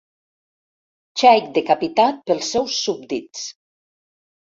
Xeic decapitat pels seus súbdits.